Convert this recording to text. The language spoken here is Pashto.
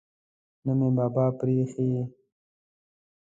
نه مې بابا پریښی.